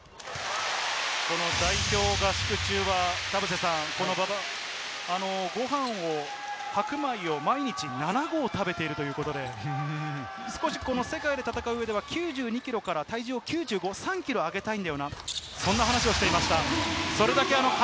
代表合宿中は田臥さん、ご飯を、白米を毎日７合食べているということで、この世界で戦う上では９２キロから体重を９５、３キロ上げたいんだと、そんな話をしていました。